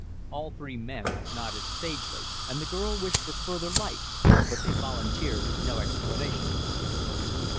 All three men nodded sagely, and the girl wished for further light, but they volunteered no explanation.